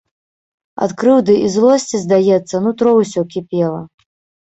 Ад крыўды і злосці, здаецца, нутро ўсё кіпела.